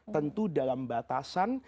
tentu dalam batasan